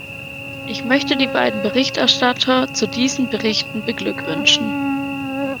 Ich möchte die beiden Berichterstatter zu diesen Berichten beglückwünschen.